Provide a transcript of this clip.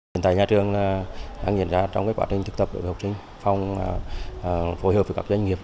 hiện tại nhà trường đang diễn ra trong quá trình thực tập đối với học sinh phòng phối hợp với các doanh nghiệp